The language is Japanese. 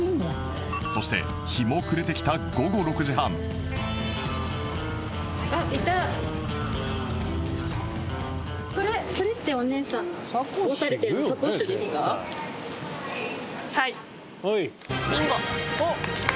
そして日も暮れてきた午後６時半ビンゴ。